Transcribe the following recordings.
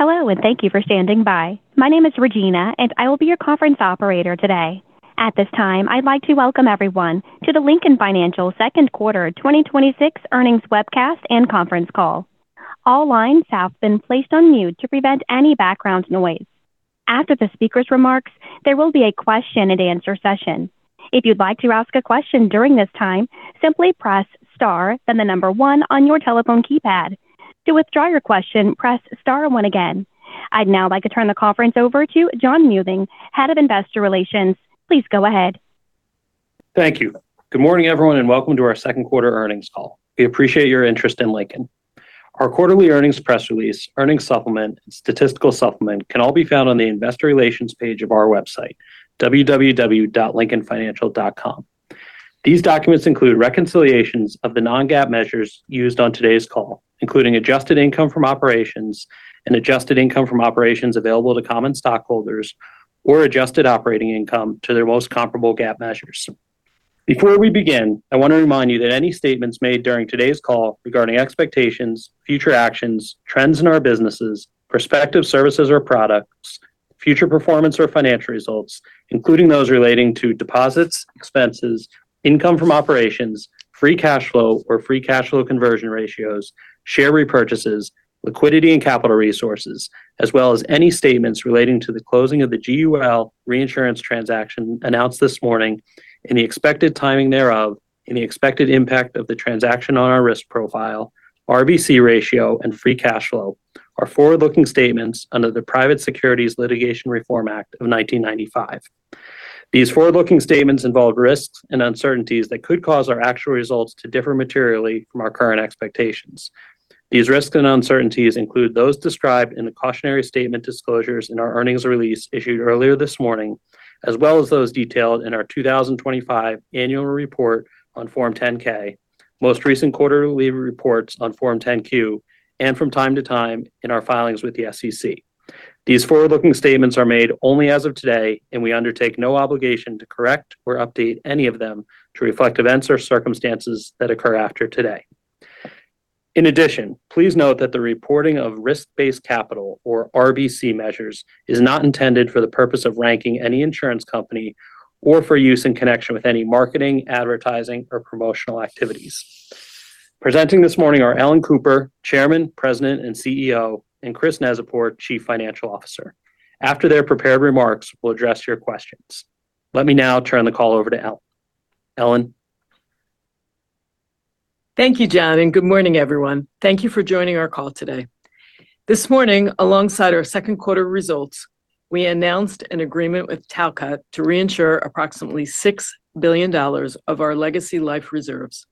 Hello. Thank you for standing by. My name is Regina. I will be your conference operator today. At this time, I'd like to welcome everyone to the Lincoln Financial second quarter 2026 earnings webcast and conference call. All lines have been placed on mute to prevent any background noise. After the speaker's remarks, there will be a question-and-answer session. If you'd like to ask a question during this time, simply press star then the number one on your telephone keypad. To withdraw your question, press star one again. I'd now like to turn the conference over to John Muething, Head of Investor Relations. Please go ahead. Thank you. Good morning, everyone. Welcome to our second quarter earnings call. We appreciate your interest in Lincoln. Our quarterly earnings press release, earnings supplement, and statistical supplement can all be found on the Investor Relations page of our website, www.lincolnfinancial.com. These documents include reconciliations of the non-GAAP measures used on today's call, including adjusted income from operations and adjusted income from operations available to common stockholders or adjusted operating income to their most comparable GAAP measures. Before we begin, I want to remind you that any statements made during today's call regarding expectations, future actions, trends in our businesses, prospective services or products, future performance or financial results, including those relating to deposits, expenses, income from operations, free cash flow or free cash flow conversion ratios, share repurchases, liquidity and capital resources, as well as any statements relating to the closing of the GUL reinsurance transaction announced this morning, any expected timing thereof, any expected impact of the transaction on our risk profile, RBC ratio, and free cash flow are forward-looking statements under the Private Securities Litigation Reform Act of 1995. These forward-looking statements involve risks and uncertainties that could cause our actual results to differ materially from our current expectations. These risks and uncertainties include those described in the cautionary statement disclosures in our earnings release issued earlier this morning, as well as those detailed in our 2025 annual report on Form 10-K, most recent quarterly reports on Form 10-Q, and from time to time in our filings with the SEC. These forward-looking statements are made only as of today, and we undertake no obligation to correct or update any of them to reflect events or circumstances that occur after today. In addition, please note that the reporting of risk-based capital or RBC measures is not intended for the purpose of ranking any insurance company or for use in connection with any marketing, advertising, or promotional activities. Presenting this morning are Ellen Cooper, Chairman, President, and CEO, and Chris Neczypor, Chief Financial Officer. After their prepared remarks, we'll address your questions. Let me now turn the call over to Ellen. Ellen? Thank you, John. Good morning, everyone. Thank you for joining our call today. This morning, alongside our second quarter results, we announced an agreement with Talcott to reinsure approximately $6 billion of our legacy life reserves.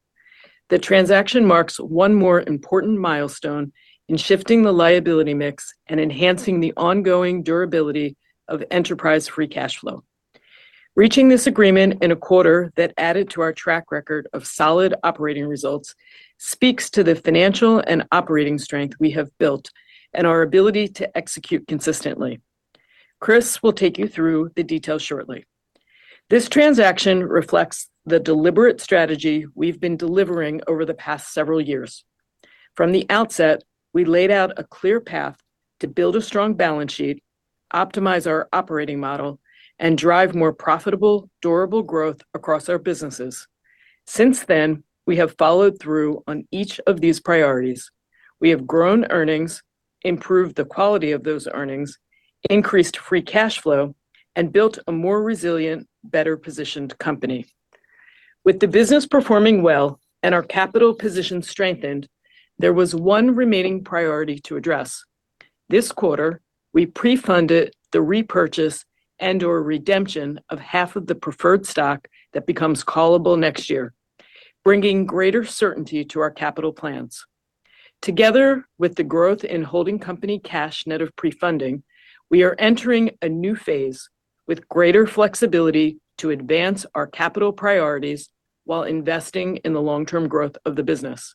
The transaction marks one more important milestone in shifting the liability mix and enhancing the ongoing durability of enterprise free cash flow. Reaching this agreement in a quarter that added to our track record of solid operating results speaks to the financial and operating strength we have built and our ability to execute consistently. Chris will take you through the details shortly. This transaction reflects the deliberate strategy we've been delivering over the past several years. From the outset, we laid out a clear path to build a strong balance sheet, optimize our operating model, and drive more profitable, durable growth across our businesses. Since then, we have followed through on each of these priorities. We have grown earnings, improved the quality of those earnings, increased free cash flow, and built a more resilient, better-positioned company. With the business performing well and our capital position strengthened, there was one remaining priority to address. This quarter, we pre-funded the repurchase and/or redemption of half of the preferred stock that becomes callable next year, bringing greater certainty to our capital plans. Together with the growth in holding company cash net of pre-funding, we are entering a new phase with greater flexibility to advance our capital priorities while investing in the long-term growth of the business.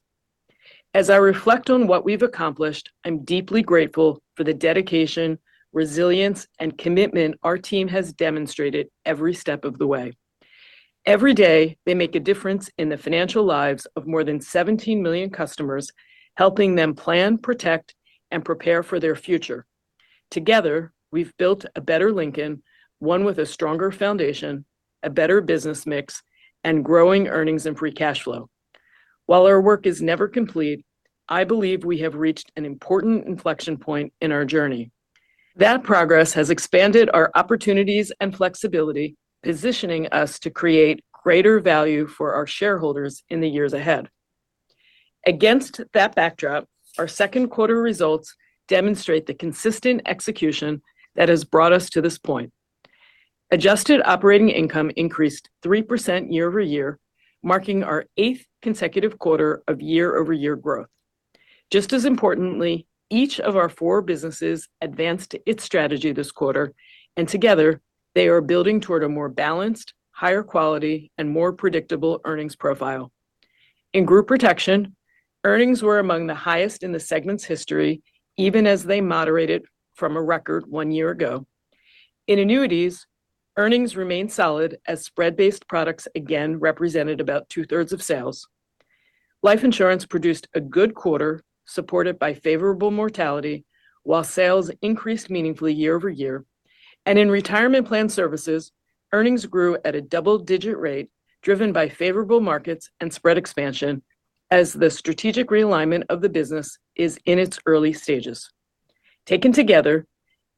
As I reflect on what we've accomplished, I'm deeply grateful for the dedication, resilience, and commitment our team has demonstrated every step of the way. Every day, they make a difference in the financial lives of more than 17 million customers, helping them plan, protect, and prepare for their future. Together, we've built a better Lincoln, one with a stronger foundation, a better business mix, and growing earnings and free cash flow. While our work is never complete, I believe we have reached an important inflection point in our journey. That progress has expanded our opportunities and flexibility, positioning us to create greater value for our shareholders in the years ahead. Against that backdrop, our second quarter results demonstrate the consistent execution that has brought us to this point. Adjusted operating income increased 3% year-over-year, marking our eighth consecutive quarter of year-over-year growth. Just as importantly, each of our four businesses advanced its strategy this quarter, and together, they are building toward a more balanced, higher quality, and more predictable earnings profile. In Group Protection, earnings were among the highest in the segment's history, even as they moderated from a record one year ago. In Annuities, earnings remained solid as spread-based products again represented about 2/3 of sales. Life insurance produced a good quarter supported by favorable mortality, while sales increased meaningfully year-over-year. In Retirement Plan Services, earnings grew at a double-digit rate, driven by favorable markets and spread expansion as the strategic realignment of the business is in its early stages. Taken together,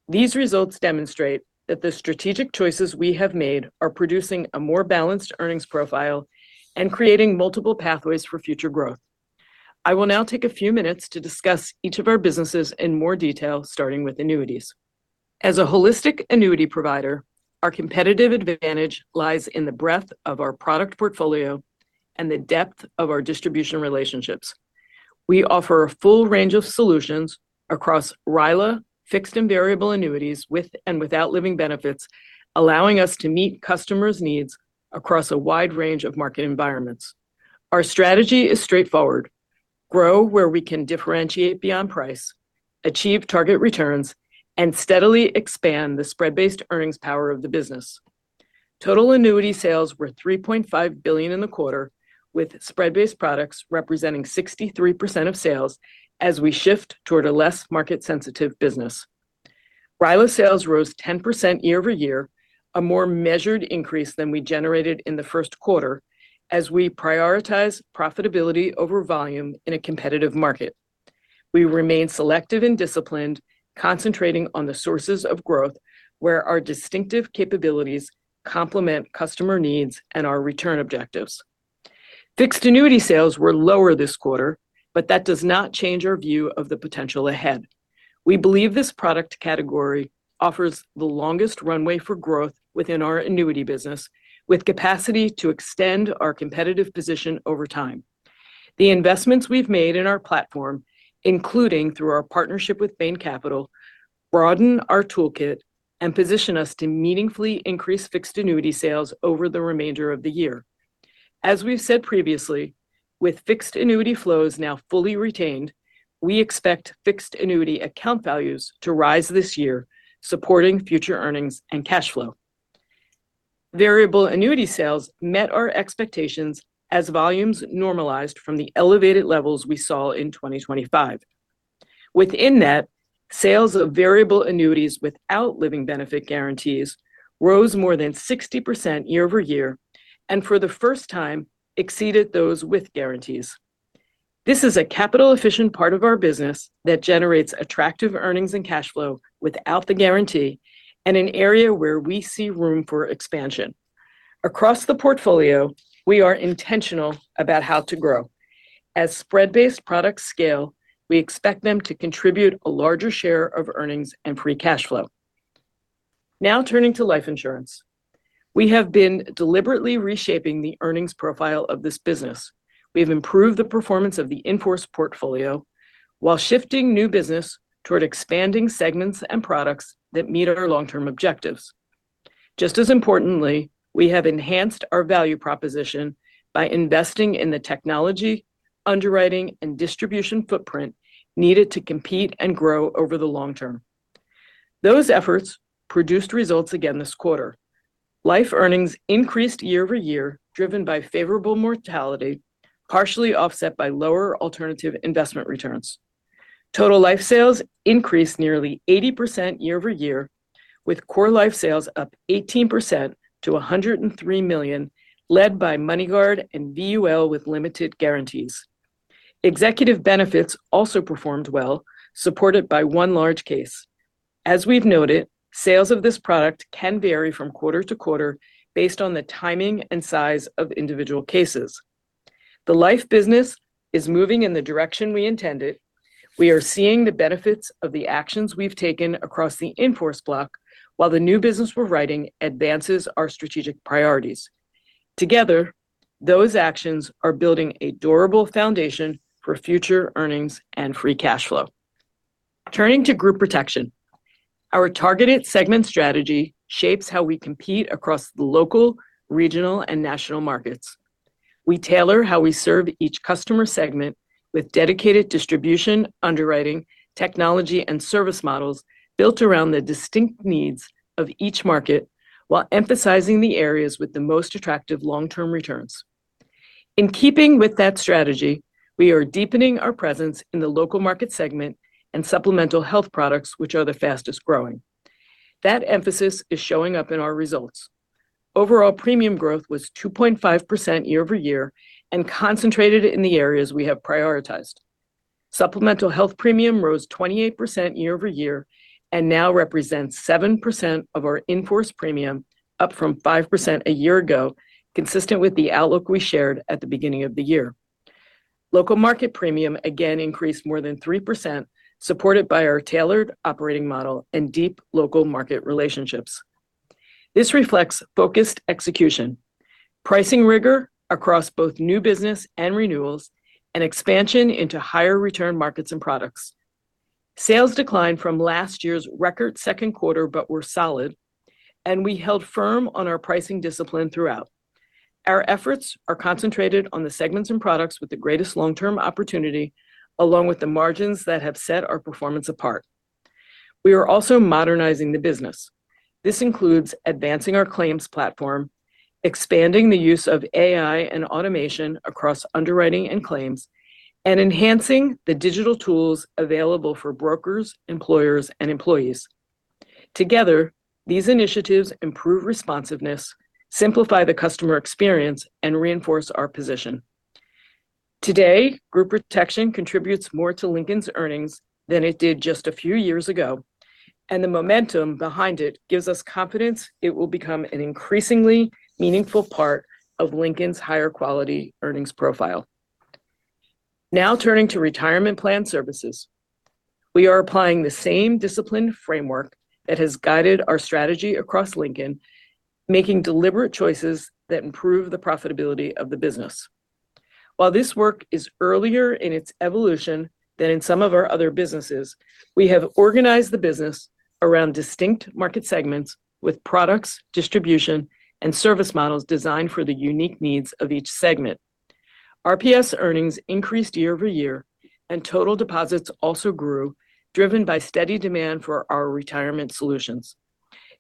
these results demonstrate that the strategic choices we have made are producing a more balanced earnings profile and creating multiple pathways for future growth. I will now take a few minutes to discuss each of our businesses in more detail, starting with annuities. As a holistic annuity provider, our competitive advantage lies in the breadth of our product portfolio and the depth of our distribution relationships. We offer a full range of solutions across RILA, fixed and variable annuities with and without living benefits, allowing us to meet customers' needs across a wide range of market environments. Our strategy is straightforward: grow where we can differentiate beyond price, achieve target returns, and steadily expand the spread-based earnings power of the business. Total annuity sales were $3.5 billion in the quarter, with spread-based products representing 63% of sales as we shift toward a less market-sensitive business. RILA sales rose 10% year-over-year, a more measured increase than we generated in the first quarter as we prioritize profitability over volume in a competitive market. We remain selective and disciplined, concentrating on the sources of growth where our distinctive capabilities complement customer needs and our return objectives. Fixed annuity sales were lower this quarter. That does not change our view of the potential ahead. We believe this product category offers the longest runway for growth within our annuity business, with capacity to extend our competitive position over time. The investments we've made in our platform, including through our partnership with Bain Capital, broaden our toolkit and position us to meaningfully increase fixed annuity sales over the remainder of the year. As we've said previously, with fixed annuity flows now fully retained, we expect fixed annuity account values to rise this year, supporting future earnings and cash flow. Variable annuity sales met our expectations as volumes normalized from the elevated levels we saw in 2025. Within that, sales of variable annuities without living benefit guarantees rose more than 60% year-over-year, and for the first time exceeded those with guarantees. This is a capital-efficient part of our business that generates attractive earnings and cash flow without the guarantee, and an area where we see room for expansion. Across the portfolio, we are intentional about how to grow. As spread-based products scale, we expect them to contribute a larger share of earnings and free cash flow. Now turning to life insurance. We have been deliberately reshaping the earnings profile of this business. We have improved the performance of the in-force portfolio while shifting new business toward expanding segments and products that meet our long-term objectives. Just as importantly, we have enhanced our value proposition by investing in the technology, underwriting, and distribution footprint needed to compete and grow over the long term. Those efforts produced results again this quarter. Life earnings increased year-over-year, driven by favorable mortality, partially offset by lower alternative investment returns. Total life sales increased nearly 80% year-over-year, with core life sales up 18% to $103 million, led by MoneyGuard and VUL with limited guarantees. Executive benefits also performed well, supported by one large case. As we've noted, sales of this product can vary from quarter to quarter based on the timing and size of individual cases. The life business is moving in the direction we intended. We are seeing the benefits of the actions we've taken across the in-force block, while the new business we're writing advances our strategic priorities. Together, those actions are building a durable foundation for future earnings and free cash flow. Turning to Group Protection. Our targeted segment strategy shapes how we compete across the local, regional, and national markets. We tailor how we serve each customer segment with dedicated distribution, underwriting, technology, and service models built around the distinct needs of each market while emphasizing the areas with the most attractive long-term returns. In keeping with that strategy, we are deepening our presence in the local market segment and supplemental health products, which are the fastest-growing. That emphasis is showing up in our results. Overall premium growth was 2.5% year-over-year and concentrated in the areas we have prioritized. Supplemental health premium rose 28% year-over-year and now represents 7% of our in-force premium, up from 5% a year ago, consistent with the outlook we shared at the beginning of the year. Local market premium again increased more than 3%, supported by our tailored operating model and deep local market relationships. This reflects focused execution, pricing rigor across both new business and renewals, and expansion into higher return markets and products. Sales declined from last year's record second quarter but were solid, and we held firm on our pricing discipline throughout. Our efforts are concentrated on the segments and products with the greatest long-term opportunity, along with the margins that have set our performance apart. We are also modernizing the business. This includes advancing our claims platform, expanding the use of AI and automation across underwriting and claims, and enhancing the digital tools available for brokers, employers, and employees. Together, these initiatives improve responsiveness, simplify the customer experience, and reinforce our position. Today, Group Protection contributes more to Lincoln's earnings than it did just a few years ago, and the momentum behind it gives us confidence it will become an increasingly meaningful part of Lincoln's higher quality earnings profile. Now turning to Retirement Plan Services. We are applying the same disciplined framework that has guided our strategy across Lincoln, making deliberate choices that improve the profitability of the business. While this work is earlier in its evolution than in some of our other businesses, we have organized the business around distinct market segments with products, distribution, and service models designed for the unique needs of each segment. RPS earnings increased year-over-year, and total deposits also grew, driven by steady demand for our retirement solutions.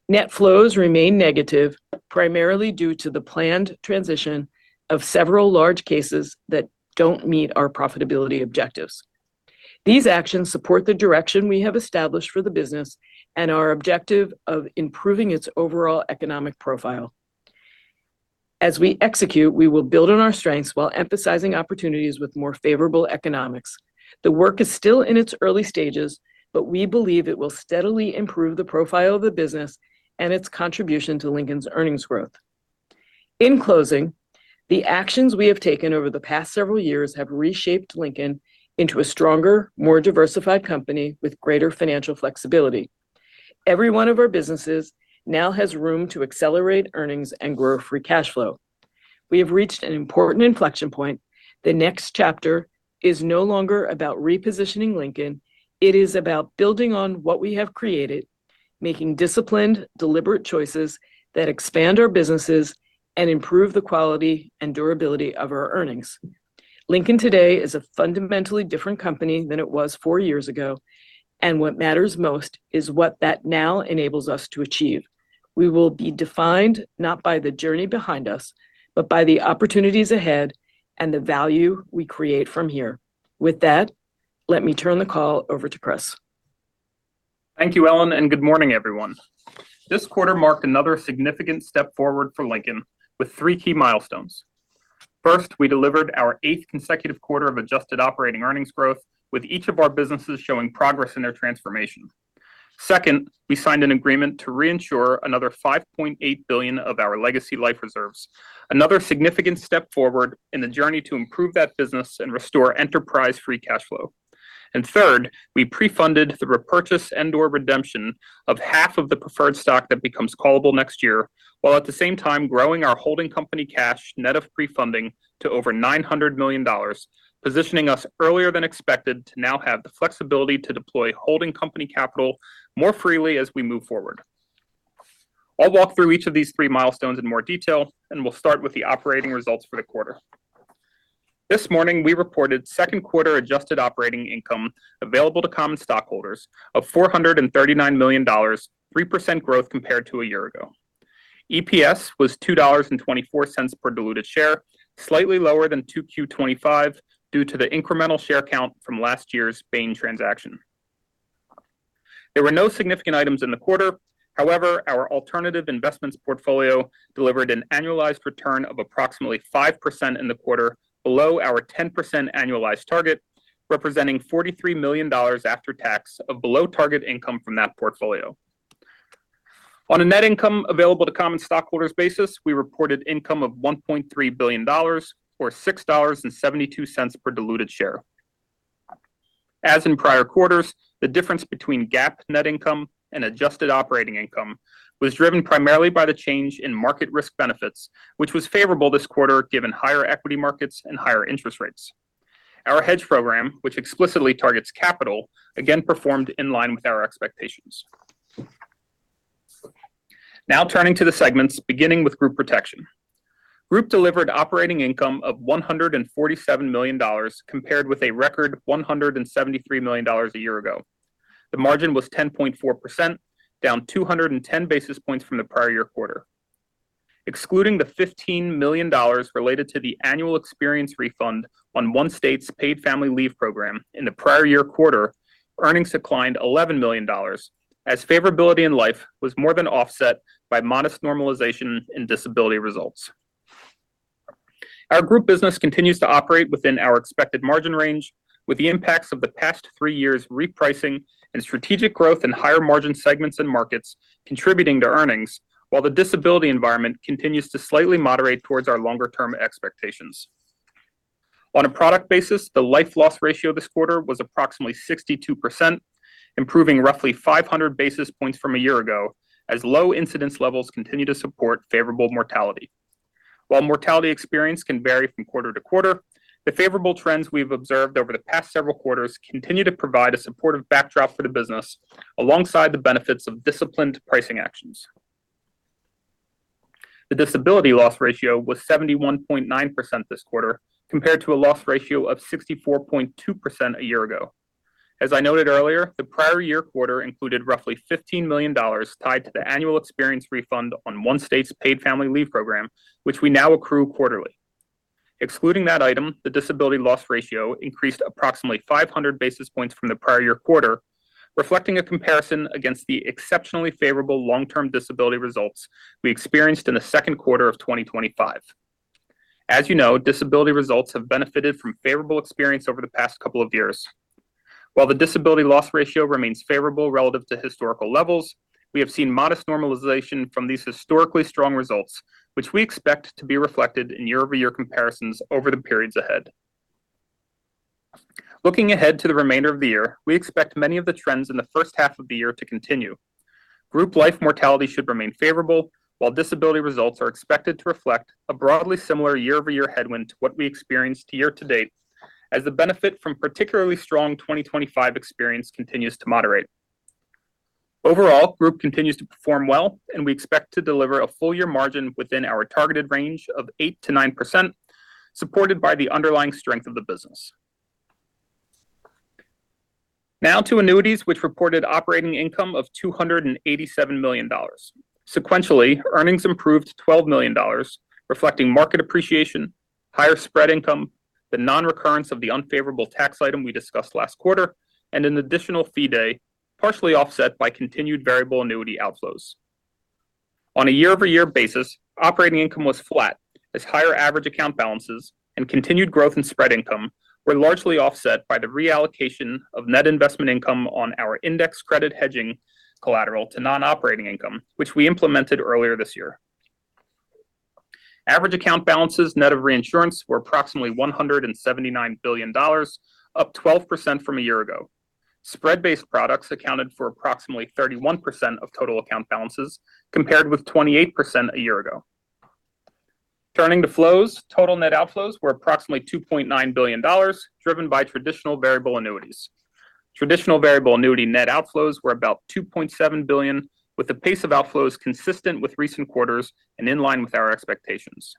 Net flows remain negative, primarily due to the planned transition of several large cases that don't meet our profitability objectives. These actions support the direction we have established for the business and our objective of improving its overall economic profile. As we execute, we will build on our strengths while emphasizing opportunities with more favorable economics. The work is still in its early stages, but we believe it will steadily improve the profile of the business and its contribution to Lincoln's earnings growth. In closing, the actions we have taken over the past several years have reshaped Lincoln into a stronger, more diversified company with greater financial flexibility. Every one of our businesses now has room to accelerate earnings and grow free cash flow. We have reached an important inflection point. The next chapter is no longer about repositioning Lincoln. It is about building on what we have created, making disciplined, deliberate choices that expand our businesses and improve the quality and durability of our earnings. Lincoln today is a fundamentally different company than it was four years ago, and what matters most is what that now enables us to achieve. We will be defined not by the journey behind us, but by the opportunities ahead and the value we create from here. With that, let me turn the call over to Chris. Thank you, Ellen. Good morning, everyone. This quarter marked another significant step forward for Lincoln with three key milestones. First, we delivered our eighth consecutive quarter of adjusted operating earnings growth, with each of our businesses showing progress in their transformation. Second, we signed an agreement to reinsure another $5.8 billion of our legacy life reserves, another significant step forward in the journey to improve that business and restore enterprise free cash flow. Third, we prefunded the repurchase and/or redemption of half of the preferred stock that becomes callable next year, while at the same time growing our holding company cash net of prefunding to over $900 million, positioning us earlier than expected to now have the flexibility to deploy holding company capital more freely as we move forward. I'll walk through each of these three milestones in more detail, and we'll start with the operating results for the quarter. This morning, we reported second quarter adjusted operating income available to common stockholders of $439 million, 3% growth compared to a year ago. EPS was $2.24 per diluted share, slightly lower than 2Q 2025 due to the incremental share count from last year's Bain transaction. There were no significant items in the quarter. However, our alternative investments portfolio delivered an annualized return of approximately 5% in the quarter, below our 10% annualized target, representing $43 million after tax of below-target income from that portfolio. On a net income available to common stockholders basis, we reported income of $1.3 billion, or $6.72 per diluted share. As in prior quarters, the difference between GAAP net income and adjusted operating income was driven primarily by the change in market risk benefits, which was favorable this quarter given higher equity markets and higher interest rates. Our hedge program, which explicitly targets capital, again performed in line with our expectations. Now turning to the segments, beginning with Group Protection. Group delivered operating income of $147 million compared with a record $173 million a year ago. The margin was 10.4%, down 210 basis points from the prior year quarter. Excluding the $15 million related to the annual experience refund on one state's paid family leave program in the prior year quarter, earnings declined $11 million as favorability in life was more than offset by modest normalization in disability results. Our Group business continues to operate within our expected margin range with the impacts of the past three years repricing and strategic growth in higher-margin segments and markets contributing to earnings while the disability environment continues to slightly moderate towards our longer-term expectations. On a product basis, the life loss ratio this quarter was approximately 62%, improving roughly 500 basis points from a year ago as low incidence levels continue to support favorable mortality. While mortality experience can vary from quarter-to-quarter, the favorable trends we've observed over the past several quarters continue to provide a supportive backdrop for the business alongside the benefits of disciplined pricing actions. The disability loss ratio was 71.9% this quarter, compared to a loss ratio of 64.2% a year ago. As I noted earlier, the prior year quarter included roughly $15 million tied to the annual experience refund on one state's paid family leave program, which we now accrue quarterly. Excluding that item, the disability loss ratio increased approximately 500 basis points from the prior year quarter, reflecting a comparison against the exceptionally favorable long-term disability results we experienced in the second quarter of 2025. As you know, disability results have benefited from favorable experience over the past couple of years. While the disability loss ratio remains favorable relative to historical levels, we have seen modest normalization from these historically strong results, which we expect to be reflected in year-over-year comparisons over the periods ahead. Looking ahead to the remainder of the year, we expect many of the trends in the first half of the year to continue. Group life mortality should remain favorable, while disability results are expected to reflect a broadly similar year-over-year headwind to what we experienced year to date, as the benefit from particularly strong 2025 experience continues to moderate. Overall, Group continues to perform well, and we expect to deliver a full-year margin within our targeted range of 8%-9%, supported by the underlying strength of the business. Now to annuities, which reported operating income of $287 million. Sequentially, earnings improved $12 million, reflecting market appreciation, higher spread income, the non-recurrence of the unfavorable tax item we discussed last quarter, and an additional fee day, partially offset by continued variable annuity outflows. On a year-over-year basis, operating income was flat as higher average account balances and continued growth in spread income were largely offset by the reallocation of net investment income on our index credit hedging collateral to non-operating income, which we implemented earlier this year. Average account balances net of reinsurance were approximately $179 billion, up 12% from a year ago. Spread-based products accounted for approximately 31% of total account balances, compared with 28% a year ago. Turning to flows, total net outflows were approximately $2.9 billion, driven by traditional variable annuities. Traditional variable annuity net outflows were about $2.7 billion, with the pace of outflows consistent with recent quarters and in line with our expectations.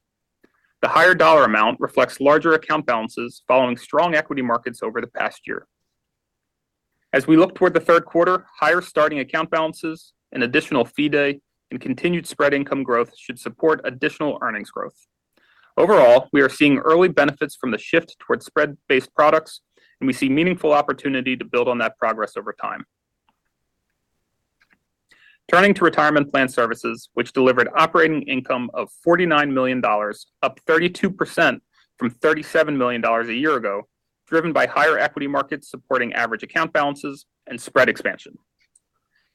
The higher dollar amount reflects larger account balances following strong equity markets over the past year. As we look toward the third quarter, higher starting account balances, an additional fee day, and continued spread income growth should support additional earnings growth. Overall, we are seeing early benefits from the shift towards spread-based products, and we see meaningful opportunity to build on that progress over time. Turning to Retirement Plan Services, which delivered operating income of $49 million, up 32% from $37 million a year ago, driven by higher equity markets supporting average account balances and spread expansion.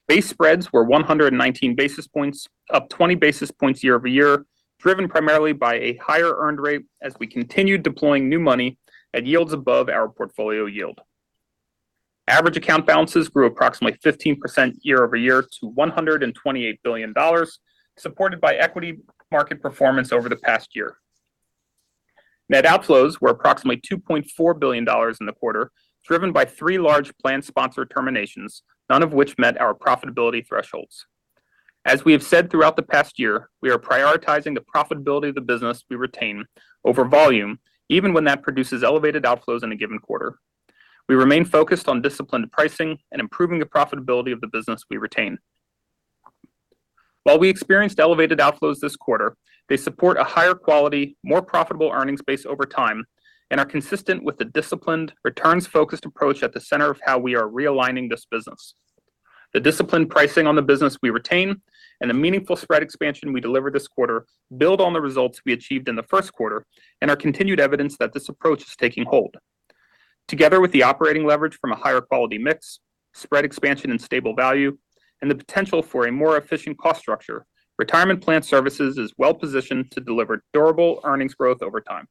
Base spreads were 119 basis points, up 20 basis points year-over-year, driven primarily by a higher earned rate as we continued deploying new money at yields above our portfolio yield. Average account balances grew approximately 15% year-over-year to $128 billion, supported by equity market performance over the past year. Net outflows were approximately $2.4 billion in the quarter, driven by three large plan sponsor terminations, none of which met our profitability thresholds. As we have said throughout the past year, we are prioritizing the profitability of the business we retain over volume, even when that produces elevated outflows in a given quarter. We remain focused on disciplined pricing and improving the profitability of the business we retain. While we experienced elevated outflows this quarter, they support a higher quality, more profitable earnings base over time and are consistent with the disciplined, returns-focused approach at the center of how we are realigning this business. The disciplined pricing on the business we retain and the meaningful spread expansion we delivered this quarter build on the results we achieved in the first quarter and are continued evidence that this approach is taking hold. Together with the operating leverage from a higher quality mix, spread expansion and stable value, and the potential for a more efficient cost structure, Retirement Plan Services is well-positioned to deliver durable earnings growth over time.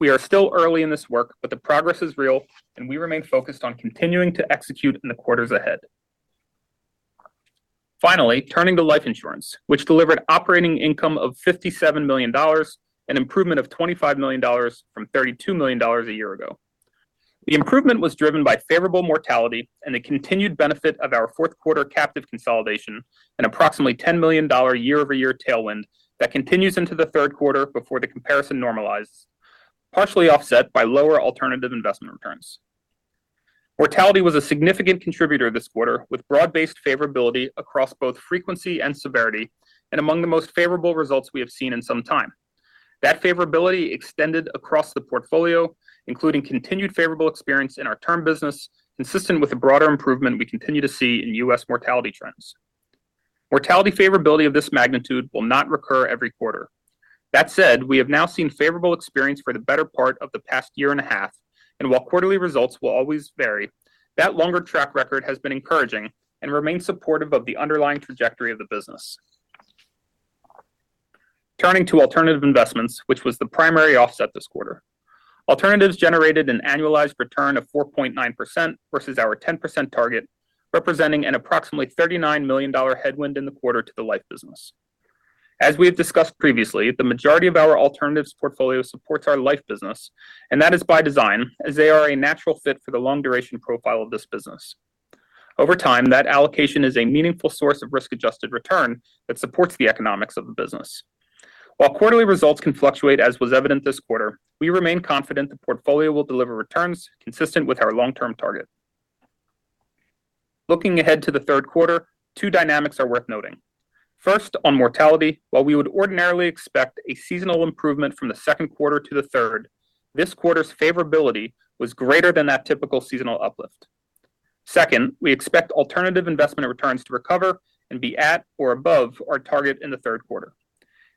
We are still early in this work, but the progress is real, and we remain focused on continuing to execute in the quarters ahead. Finally, turning to life insurance, which delivered operating income of $57 million, an improvement of $25 million from $32 million a year ago. The improvement was driven by favorable mortality and the continued benefit of our fourth quarter captive consolidation and approximately $10 million year-over-year tailwind that continues into the third quarter before the comparison normalizes, partially offset by lower alternative investment returns. Mortality was a significant contributor this quarter, with broad-based favorability across both frequency and severity, and among the most favorable results we have seen in some time. That favorability extended across the portfolio, including continued favorable experience in our term business, consistent with the broader improvement we continue to see in U.S. mortality trends. Mortality favorability of this magnitude will not recur every quarter. That said, we have now seen favorable experience for the better part of the past year and a half. While quarterly results will always vary, that longer track record has been encouraging and remains supportive of the underlying trajectory of the business. Turning to alternative investments, which was the primary offset this quarter. Alternatives generated an annualized return of 4.9% versus our 10% target, representing an approximately $39 million headwind in the quarter to the life business. As we have discussed previously, the majority of our alternatives portfolio supports our life business, and that is by design, as they are a natural fit for the long duration profile of this business. Over time, that allocation is a meaningful source of risk-adjusted return that supports the economics of the business. While quarterly results can fluctuate, as was evident this quarter, we remain confident the portfolio will deliver returns consistent with our long-term target. Looking ahead to the third quarter, two dynamics are worth noting. First, on mortality, while we would ordinarily expect a seasonal improvement from the second quarter to the third, this quarter's favorability was greater than that typical seasonal uplift. Second, we expect alternative investment returns to recover and be at or above our target in the third quarter.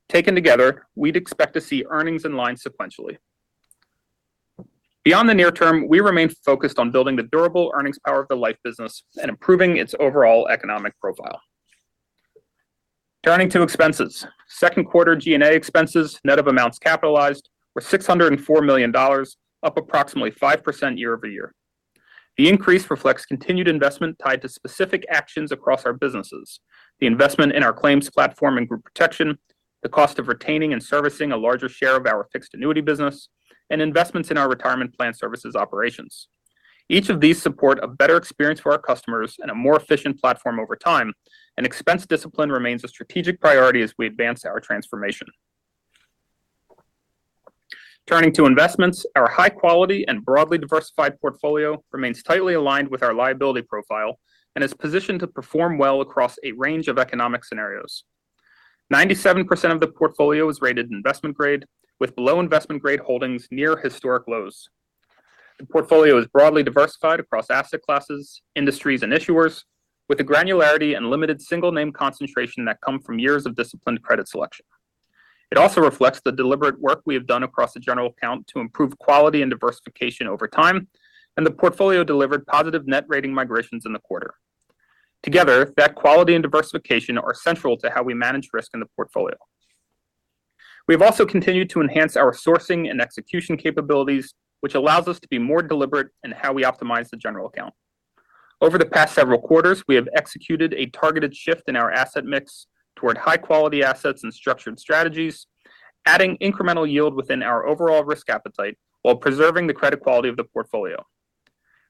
Taken together, we'd expect to see earnings in line sequentially. Beyond the near term, we remain focused on building the durable earnings power of the life business and improving its overall economic profile. Turning to expenses. Second quarter G&A expenses, net of amounts capitalized, were $604 million, up approximately 5% year-over-year. The increase reflects continued investment tied to specific actions across our businesses, the investment in our claims platform and Group Protection, the cost of retaining and servicing a larger share of our fixed annuity business, and investments in our Retirement Plan Services operations. Each of these support a better experience for our customers and a more efficient platform over time. Expense discipline remains a strategic priority as we advance our transformation. Turning to investments, our high-quality and broadly diversified portfolio remains tightly aligned with our liability profile and is positioned to perform well across a range of economic scenarios. 97% of the portfolio is rated investment grade, with below investment grade holdings near historic lows. The portfolio is broadly diversified across asset classes, industries, and issuers, with the granularity and limited single name concentration that come from years of disciplined credit selection. It also reflects the deliberate work we have done across the general account to improve quality and diversification over time. The portfolio delivered positive net rating migrations in the quarter. Together, that quality and diversification are central to how we manage risk in the portfolio. We have also continued to enhance our sourcing and execution capabilities, which allows us to be more deliberate in how we optimize the general account. Over the past several quarters, we have executed a targeted shift in our asset mix toward high-quality assets and structured strategies, adding incremental yield within our overall risk appetite while preserving the credit quality of the portfolio.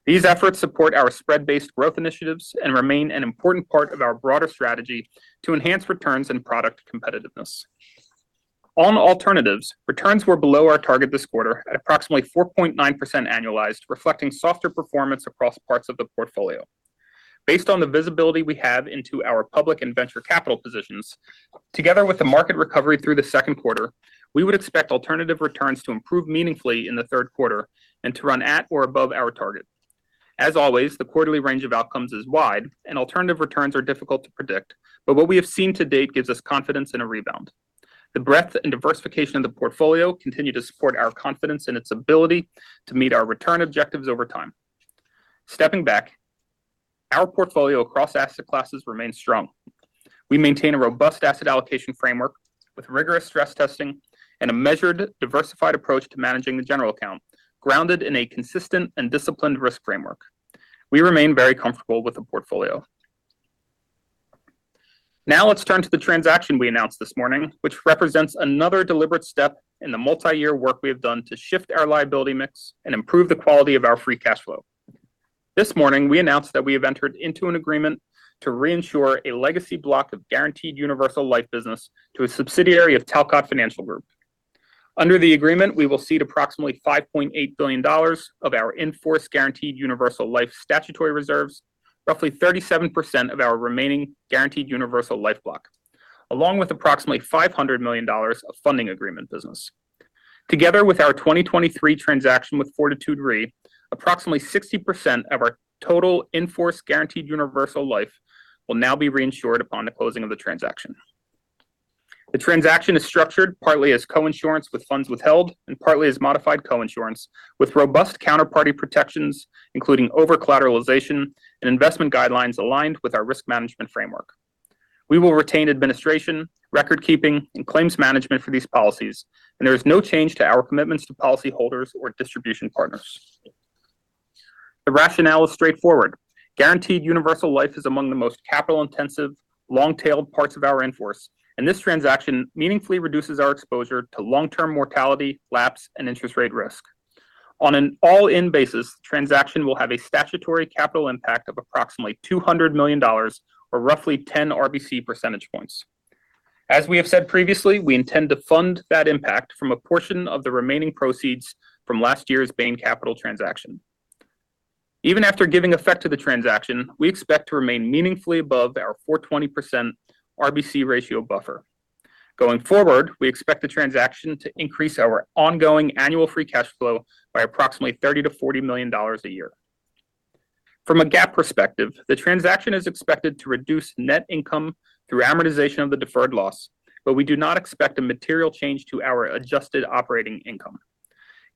These efforts support our spread-based growth initiatives and remain an important part of our broader strategy to enhance returns and product competitiveness. On alternatives, returns were below our target this quarter at approximately 4.9% annualized, reflecting softer performance across parts of the portfolio. Based on the visibility we have into our public and venture capital positions, together with the market recovery through the second quarter, we would expect alternative returns to improve meaningfully in the third quarter and to run at or above our target. As always, the quarterly range of outcomes is wide. Alternative returns are difficult to predict. What we have seen to date gives us confidence in a rebound. The breadth and diversification of the portfolio continue to support our confidence in its ability to meet our return objectives over time. Stepping back, our portfolio across asset classes remains strong. We maintain a robust asset allocation framework with rigorous stress testing and a measured, diversified approach to managing the general account, grounded in a consistent and disciplined risk framework. We remain very comfortable with the portfolio. Now let's turn to the transaction we announced this morning, which represents another deliberate step in the multi-year work we have done to shift our liability mix and improve the quality of our free cash flow. This morning, we announced that we have entered into an agreement to reinsure a legacy block of Guaranteed Universal Life business to a subsidiary of Talcott Financial Group. Under the agreement, we will cede approximately $5.8 billion of our in-force Guaranteed Universal Life statutory reserves, roughly 37% of our remaining Guaranteed Universal Life block, along with approximately $500 million of funding agreement business. Together with our 2023 transaction with Fortitude Re, approximately 60% of our total in-force Guaranteed Universal Life will now be reinsured upon the closing of the transaction. The transaction is structured partly as coinsurance with funds withheld and partly as modified coinsurance with robust counterparty protections, including over-collateralization and investment guidelines aligned with our risk management framework. We will retain administration, record keeping, and claims management for these policies, and there is no change to our commitments to policyholders or distribution partners. The rationale is straightforward. Guaranteed Universal Life is among the most capital-intensive, long-tailed parts of our in-force, and this transaction meaningfully reduces our exposure to long-term mortality, lapse, and interest rate risk. On an all-in basis, the transaction will have a statutory capital impact of approximately $200 million or roughly 10 RBC percentage points. As we have said previously, we intend to fund that impact from a portion of the remaining proceeds from last year's Bain Capital transaction. Even after giving effect to the transaction, we expect to remain meaningfully above our 420% RBC ratio buffer. Going forward, we expect the transaction to increase our ongoing annual free cash flow by approximately $30 million-$40 million a year. From a GAAP perspective, the transaction is expected to reduce net income through amortization of the deferred loss, but we do not expect a material change to our adjusted operating income.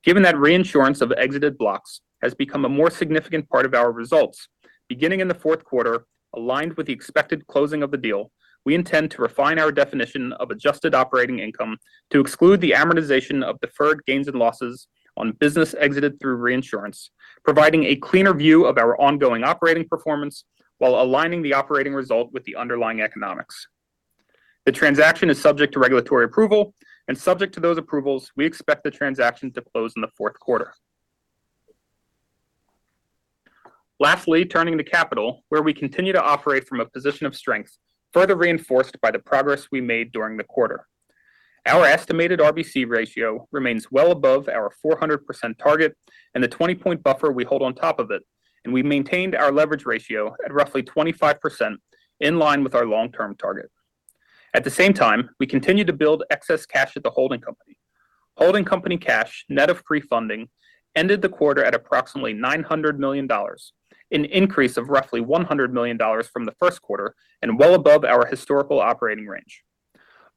Given that reinsurance of exited blocks has become a more significant part of our results, beginning in the fourth quarter, aligned with the expected closing of the deal, we intend to refine our definition of adjusted operating income to exclude the amortization of deferred gains and losses on business exited through reinsurance, providing a cleaner view of our ongoing operating performance while aligning the operating result with the underlying economics. The transaction is subject to regulatory approval, and subject to those approvals, we expect the transaction to close in the fourth quarter. Lastly, turning to capital, where we continue to operate from a position of strength, further reinforced by the progress we made during the quarter. Our estimated RBC ratio remains well above our 400% target and the 20-point buffer we hold on top of it. We maintained our leverage ratio at roughly 25%, in line with our long-term target. At the same time, we continue to build excess cash at the holding company. Holding company cash, net of free funding, ended the quarter at approximately $900 million, an increase of roughly $100 million from the first quarter and well above our historical operating range.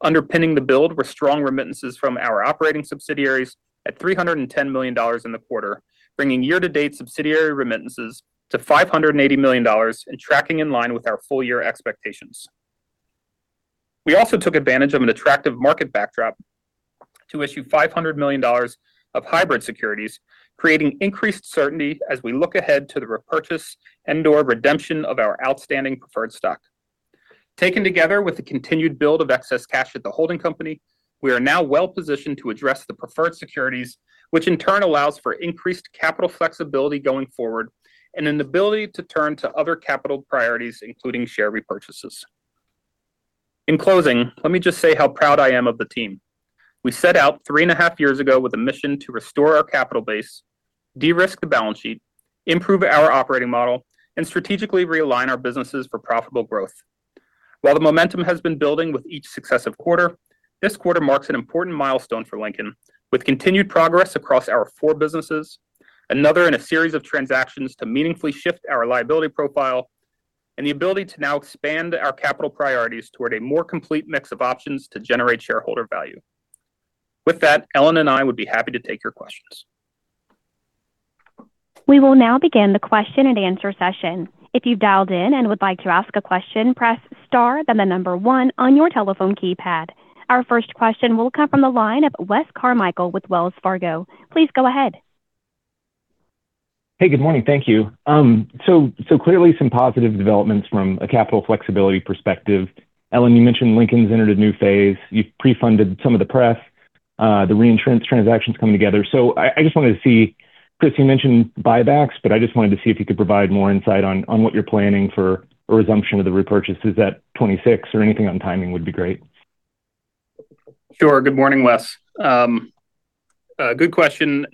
Underpinning the build were strong remittances from our operating subsidiaries at $310 million in the quarter, bringing year-to-date subsidiary remittances to $580 million, tracking in line with our full-year expectations. We also took advantage of an attractive market backdrop to issue $500 million of hybrid securities, creating increased certainty as we look ahead to the repurchase and/or redemption of our outstanding preferred stock. Taken together with the continued build of excess cash at the holding company, we are now well-positioned to address the preferred securities, which in turn allows for increased capital flexibility going forward, an ability to turn to other capital priorities, including share repurchases. In closing, let me just say how proud I am of the team. We set out three and a half years ago with a mission to restore our capital base, de-risk the balance sheet, improve our operating model, strategically realign our businesses for profitable growth. While the momentum has been building with each successive quarter, this quarter marks an important milestone for Lincoln, with continued progress across our four businesses, another in a series of transactions to meaningfully shift our liability profile, the ability to now expand our capital priorities toward a more complete mix of options to generate shareholder value. With that, Ellen and I would be happy to take your questions. We will now begin the question-and-answer session. If you've dialed in and would like to ask a question, press star, then the number one on your telephone keypad. Our first question will come from the line of Wes Carmichael with Wells Fargo. Please go ahead. Good morning. Thank you. Clearly some positive developments from a capital flexibility perspective. Ellen, you mentioned Lincoln's entered a new phase. You've prefunded some of the pref, the reinsurance transaction's coming together. I just wanted to see, Chris, you mentioned buybacks, but I just wanted to see if you could provide more insight on what you're planning for a resumption of the repurchases at 2026, or anything on timing would be great. Sure. Good morning, Wes. Good question;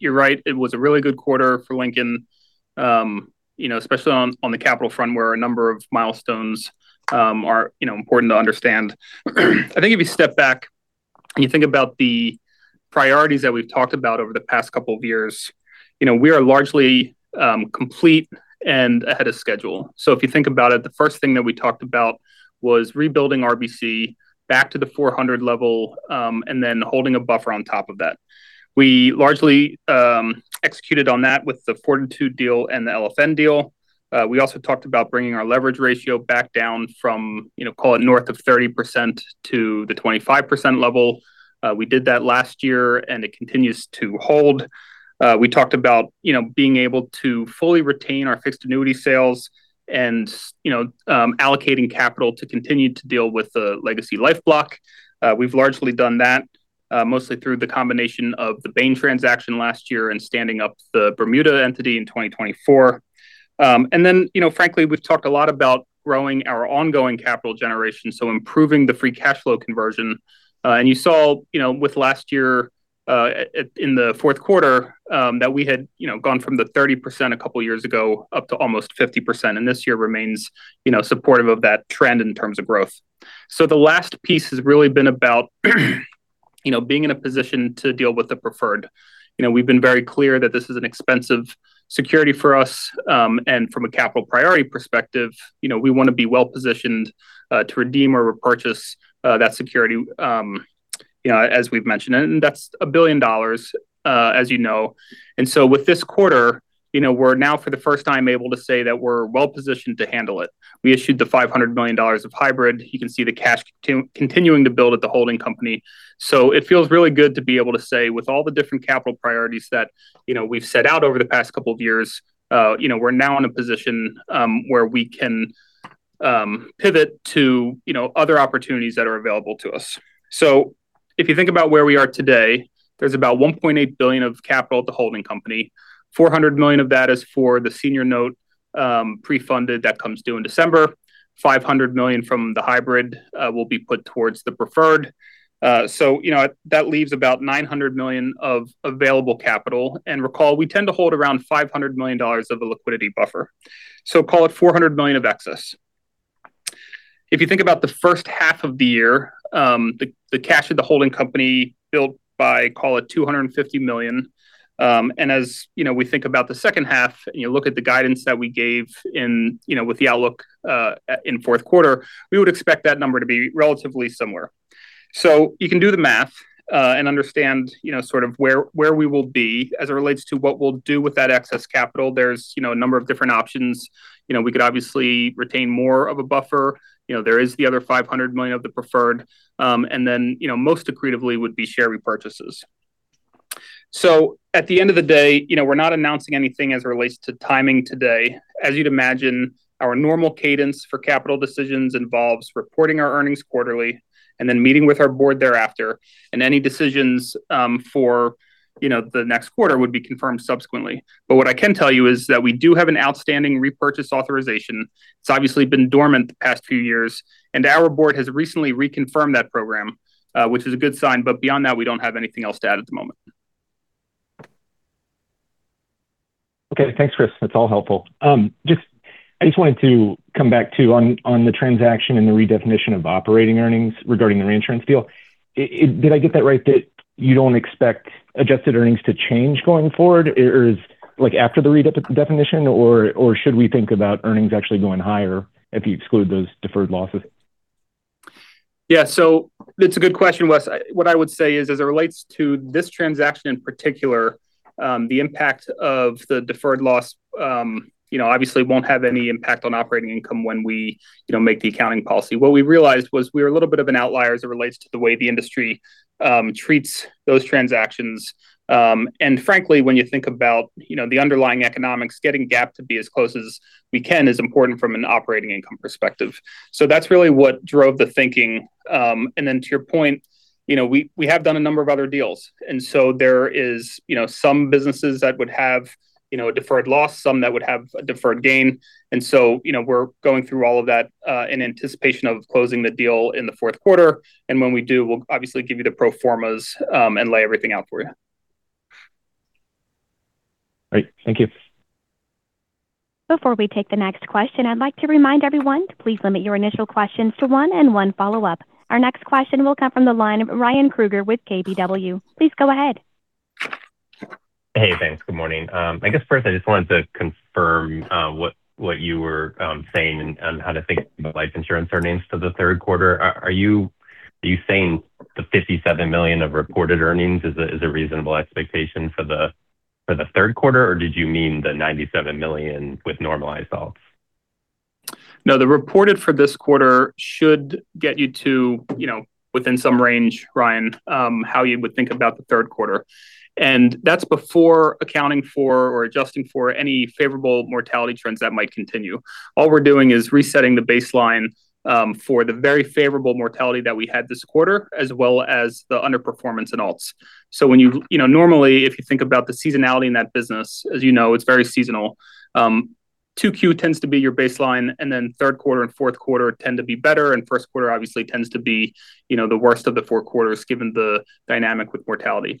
you're right, it was a really good quarter for Lincoln, especially on the capital front where a number of milestones are important to understand. I think if you step back and you think about the priorities that we've talked about over the past couple of years, we are largely complete and ahead of schedule. If you think about it, the first thing that we talked about was rebuilding RBC back to the 400 level, and then holding a buffer on top of that. We largely executed on that with the Fortitude deal and the [LFN deal. We also talked about bringing our leverage ratio back down from, call it, north of 30%-25% level. We did that last year, it continues to hold. We talked about being able to fully retain our fixed annuity sales and allocating capital to continue to deal with The Legacy Life block. We've largely done that, mostly through the combination of the Bain transaction last year and standing up the Bermuda entity in 2024. Frankly, we've talked a lot about growing our ongoing capital generation, so improving the free cash flow conversion. You saw with last year, in the fourth quarter, that we had gone from the 30% a couple of years ago up to almost 50%, and this year remains supportive of that trend in terms of growth. The last piece has really been about being in a position to deal with the preferred. We've been very clear that this is an expensive security for us, from a capital priority perspective, we want to be well-positioned to redeem or repurchase that security, as we've mentioned. That's $1 billion, as you know. With this quarter, we're now for the first time able to say that we're well-positioned to handle it. We issued the $500 million of hybrid. You can see the cash continuing to build at the holding company. It feels really good to be able to say, with all the different capital priorities that we've set out over the past couple of years, we're now in a position where we can pivot to other opportunities that are available to us. If you think about where we are today, there's about $1.8 billion of capital at the holding company, $400 million of that is for the senior note prefunded that comes due in December, $500 million from the hybrid will be put towards the preferred. That leaves about $900 million of available capital. Recall, we tend to hold around $500 million of the liquidity buffer. Call it $400 million of excess. If you think about the first half of the year, the cash of the holding company built by, call it, $250 million. As we think about the second half and you look at the guidance that we gave with the outlook in fourth quarter, we would expect that number to be relatively similar. You can do the math and understand sort of where we will be as it relates to what we'll do with that excess capital. There's a number of different options. We could obviously retain more of a buffer. There is the other $500 million of the preferred. Then, most accretively would be share repurchases. At the end of the day, we're not announcing anything as it relates to timing today. As you'd imagine, our normal cadence for capital decisions involves reporting our earnings quarterly and then meeting with our board thereafter. Any decisions for the next quarter would be confirmed subsequently. What I can tell you is that we do have an outstanding repurchase authorization. It's obviously been dormant the past few years, and our board has recently reconfirmed that program, which is a good sign. Beyond that, we don't have anything else to add at the moment. Okay, thanks, Chris. That's all helpful. I just wanted to come back too, on the transaction and the redefinition of operating earnings regarding the reinsurance deal. Did I get that right, that you don't expect adjusted earnings to change going forward? Or is after the redefinition, or should we think about earnings actually going higher if you exclude those deferred losses? Yeah, that's a good question, Wes. What I would say is, as it relates to this transaction in particular, the impact of the deferred loss obviously won't have any impact on operating income when we make the accounting policy. What we realized was we were a little bit of an outlier as it relates to the way the industry treats those transactions. Frankly, when you think about the underlying economics, getting GAAP to be as close as we can is important from an operating income perspective. That's really what drove the thinking. Then to your point, we have done a number of other deals, and so there is some businesses that would have a deferred loss, some that would have a deferred gain. So we're going through all of that in anticipation of closing the deal in the fourth quarter. When we do, we'll obviously give you the pro formas and lay everything out for you. Great. Thank you. Before we take the next question, I'd like to remind everyone to please limit your initial questions to one and one follow-up. Our next question will come from the line of Ryan Krueger with KBW. Please go ahead. Hey, thanks. Good morning. I guess first I just wanted to confirm what you were saying on how to think about life insurance earnings for the third quarter. Are you saying the $57 million of reported earnings is a reasonable expectation for the third quarter, or did you mean the $97 million with normalized ALTs? No, the reported for this quarter should get you to, within some range, Ryan, how you would think about the third quarter. That's before accounting for or adjusting for any favorable mortality trends that might continue. All we're doing is resetting the baseline for the very favorable mortality that we had this quarter, as well as the underperformance in ALTs. Normally, if you think about the seasonality in that business, as you know, it's very seasonal. 2Q tends to be your baseline, and then third quarter and fourth quarter tend to be better, and first quarter obviously tends to be the worst of the four quarters, given the dynamic with mortality.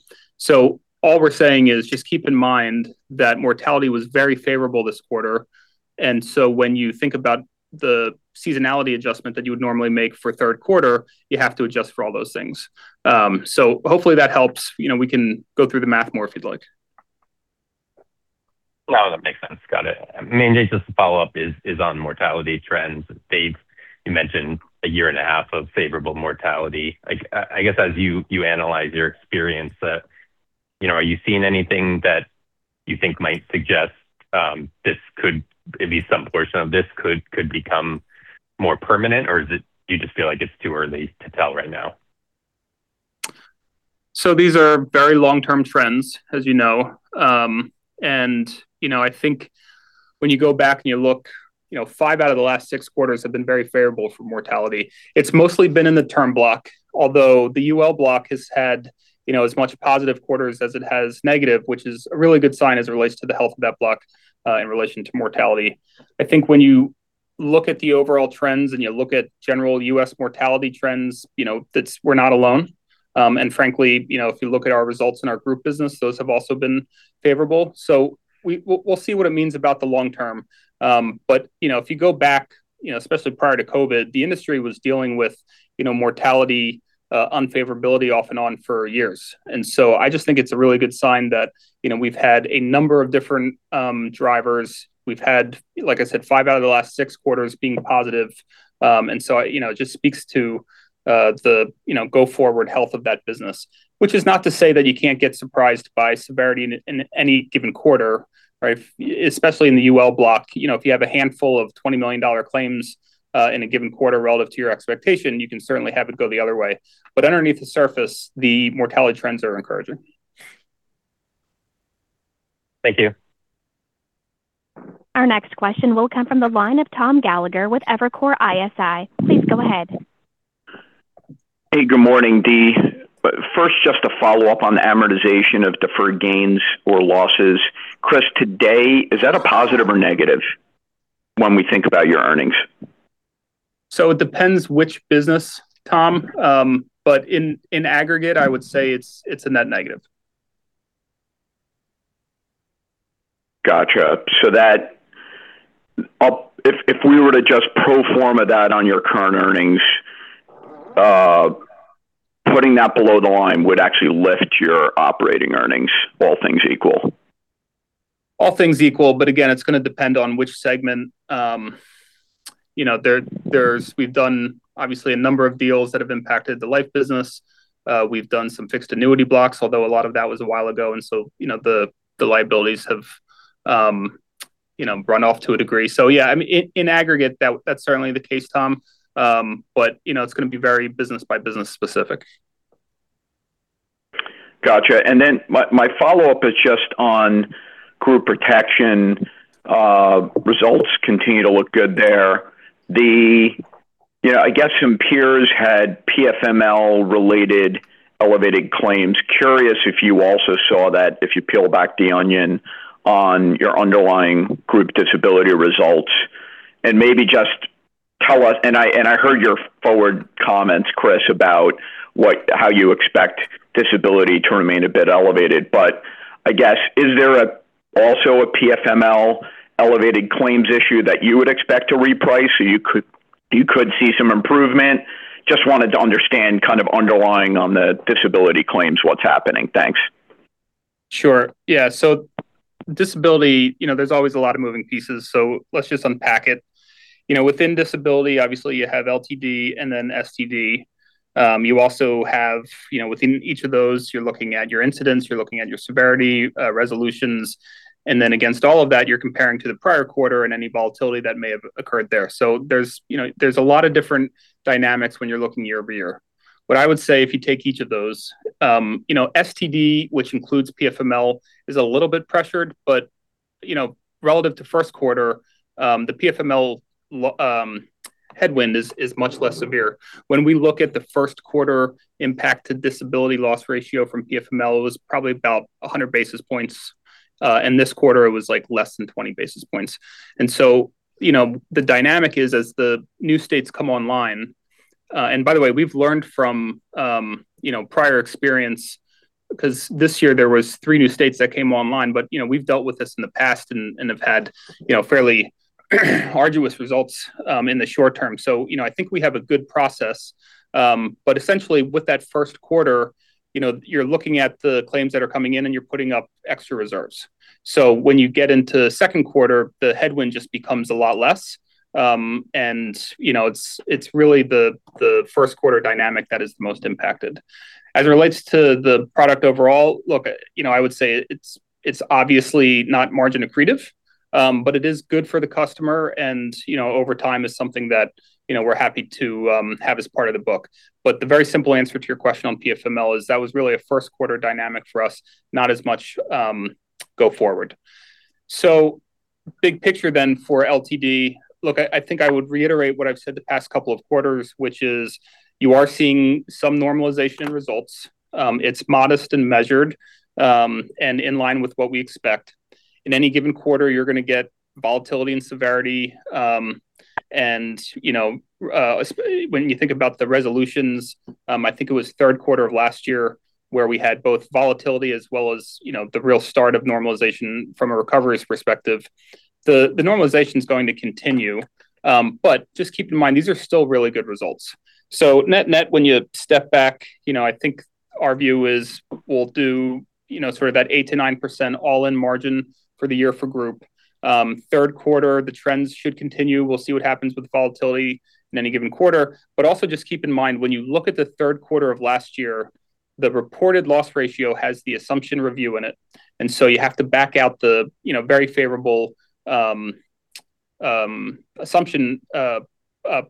All we're saying is just keep in mind that mortality was very favorable this quarter, when you think about the seasonality adjustment that you would normally make for third quarter, you have to adjust for all those things. Hopefully that helps. We can go through the math more if you'd like. No, that makes sense. Got it. Maybe just a follow-up is on mortality trends. You mentioned a year and a half of favorable mortality. I guess as you analyze your experience, are you seeing anything that you think might suggest at least some portion of this could become more permanent, or do you just feel like it's too early to tell right now? These are very long-term trends, as you know. I think when you go back and you look, five out of the last six quarters have been very favorable for mortality. It's mostly been in the term block, although the UL block has had as much positive quarters as it has negative, which is a really good sign as it relates to the health of that block in relation to mortality. I think when you look at the overall trends and you look at general U.S. mortality trends, we're not alone. Frankly, if you look at our results in our group business, those have also been favorable. We'll see what it means about the long term. If you go back, especially prior to COVID, the industry was dealing with mortality unfavorability off and on for years. I just think it's a really good sign that we've had a number of different drivers. We've had, like I said, five out of the last six quarters being positive. It just speaks to the go-forward health of that business. Which is not to say that you can't get surprised by severity in any given quarter, especially in the UL block. If you have a handful of $20 million claims in a given quarter relative to your expectation, you can certainly have it go the other way. Underneath the surface, the mortality trends are encouraging. Thank you. Our next question will come from the line of Tom Gallagher with Evercore ISI. Please go ahead. Hey, good morning, Tom. First, just to follow up on the amortization of deferred gains or losses. Chris, today, is that a positive or negative when we think about your earnings? It depends which business, Tom. In aggregate, I would say it's a net negative. Got you. If we were to just pro forma that on your current earnings, putting that below the line would actually lift your operating earnings, all things equal? All things equal, again, it's going to depend on which segment. We've done, obviously, a number of deals that have impacted the life business. We've done some fixed annuity blocks, although a lot of that was a while ago, the liabilities have run off to a degree. Yeah, in aggregate, that's certainly the case, Tom. It's going to be very business-by-business specific. My follow-up is just on Group Protection results continue to look good there. I guess some peers had PFML-related elevated claims. Curious if you also saw that, if you peel back the onion on your underlying group disability results, and maybe just tell us, I heard your forward comments, Chris, about how you expect disability to remain a bit elevated, but I guess, is there also a PFML elevated claims issue that you would expect to reprice so you could see some improvement? Just wanted to understand kind of underlying on the disability claims what's happening. Thanks. Sure. Yeah. Disability, there's always a lot of moving pieces, let's just unpack it. Within disability, obviously you have LTD and then STD. You also have within each of those, you're looking at your incidents, you're looking at your severity, resolutions, and then against all of that, you're comparing to the prior quarter and any volatility that may have occurred there. There's a lot of different dynamics when you're looking year-over-year. What I would say, if you take each of those, STD, which includes PFML, is a little bit pressured, but relative to first quarter, the PFML headwind is much less severe. When we look at the first quarter impact to disability loss ratio from PFML, it was probably about 100 basis points, and this quarter it was less than 20 basis points. The dynamic is as the new states come online, and by the way, we've learned from prior experience, because this year there was three new states that came online, but we've dealt with this in the past and have had fairly arduous results in the short term. I think we have a good process. Essentially with that first quarter, you're looking at the claims that are coming in and you're putting up extra reserves. When you get into the second quarter, the headwind just becomes a lot less. It's really the first quarter dynamic that is the most impacted. As it relates to the product overall, look, I would say it's obviously not margin accretive, but it is good for the customer and over time is something that we're happy to have as part of the book. The very simple answer to your question on PFML is that was really a first quarter dynamic for us, not as much go forward. Big picture then for LTD, look, I think I would reiterate what I've said the past couple of quarters, which is you are seeing some normalization in results. It's modest and measured, and in line with what we expect. In any given quarter, you're going to get volatility and severity. When you think about the resolutions, I think it was third quarter of last year where we had both volatility as well as the real start of normalization from a recoveries perspective. The normalization's going to continue. Just keep in mind, these are still really good results. Net net, when you step back, I think our view is we'll do sort of that 8%-9% all-in margin for the year for Group. Third quarter, the trends should continue. We'll see what happens with volatility in any given quarter. Also just keep in mind when you look at the third quarter of last year, the reported loss ratio has the assumption review in it, you have to back out the very favorable assumption